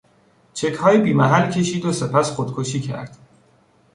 چکهای بیمحل کشید و سپس خودکشی کرد.